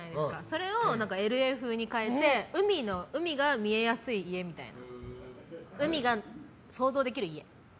それをＬＡ風に変えて海が見えやすい家みたいな。